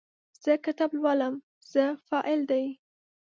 زه کتاب لولم – "زه" فاعل دی.